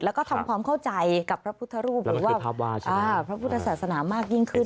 แล้วก็ทำความเข้าใจกับพระพุทธรูปหรือว่าพระพุทธศาสนามากยิ่งขึ้น